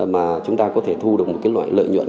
mà chúng ta có thể thu được một loại lợi nhuận